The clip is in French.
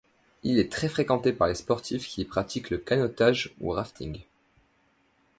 Il est très fréquenté par les sportifs qui y pratiquent le canotage ou rafting.